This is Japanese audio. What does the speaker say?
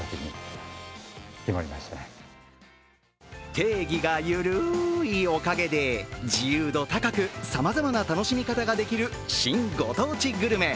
定義が緩いおかげで自由度高くさまざまな楽しみ方ができる新ご当地グルメ。